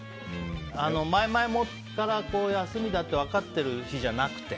前々から休みだって分かってる日じゃなくて。